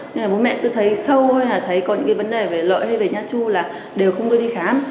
nên là bố mẹ cứ thấy sâu hay là thấy có những cái vấn đề về lợi hay về nhà chu là đều không đưa đi khám